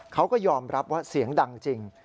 เขาก็ยอมรับว่าเสียงดังจริง